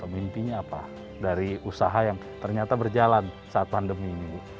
mimpinya apa dari usaha yang ternyata berjalan saat pandemi ini bu